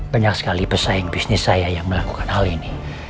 banyak sekali pesaing bisnis saya yang melakukan hal ini